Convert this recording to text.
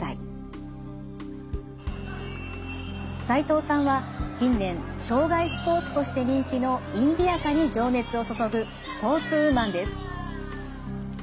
齋藤さんは近年生涯スポーツとして人気のインディアカに情熱を注ぐスポーツウーマンです。